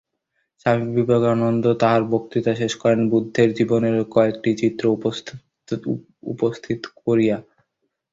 স্বামী বিবেকানন্দ তাঁহার বক্তৃতা শেষ করেন বুদ্ধের জীবনের কয়েকটি চিত্র উপস্থিত করিয়া।